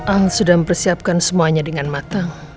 al sudah mempersiapkan semuanya dengan matang